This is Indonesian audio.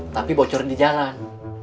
tapi bocor di jalan